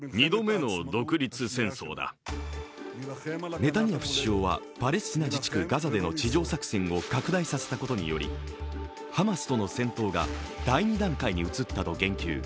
ネタニヤフ首相はパレスチナ自治区ガザでの地上作戦を拡大させたことによりハマスとの戦闘が第２段階に移ったと言及。